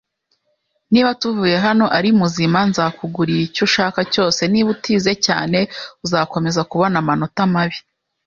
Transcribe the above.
Niba tuvuye hano ari muzima, nzakugurira icyo ushaka cyose. Niba utize cyane, uzakomeza kubona amanota mabi.